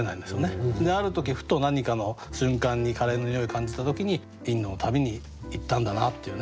ある時ふと何かの瞬間にカレーの匂い感じた時にインドの旅に行ったんだなっていう